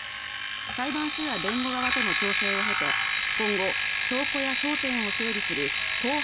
裁判所や弁護側との調整を経て今後、証拠や争点を整理する公判